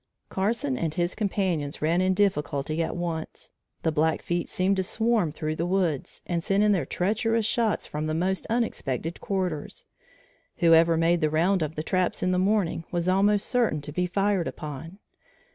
Carson and his companions ran in difficulty at once. The Blackfeet seemed to swarm through the woods, and sent in their treacherous shots from the most unexpected quarters. Whoever made the round of the traps in the morning was almost certain to be fired upon.